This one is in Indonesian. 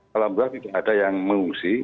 kalau berarti ada yang mengungsi